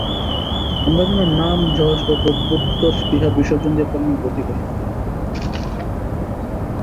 আমরা যেন নাম, যশ ও প্রভুত্ব-স্পৃহা বিসর্জন দিয়া কর্মে ব্রতী হই।